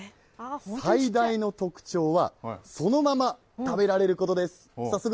最大の特徴は、そのまま食べられることです。